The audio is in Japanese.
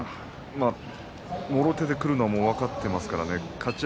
相手がもろ手でくるの分かっていますからね。